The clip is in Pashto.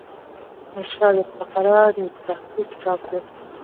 ارشاد الفقراء نېکبختي کتاب دﺉ.